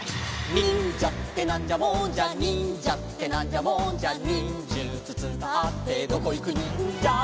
「にんじゃってなんじゃもんじゃ」「にんじゃってなんじゃもんじゃ」「にんじゅつつかってどこいくにんじゃ」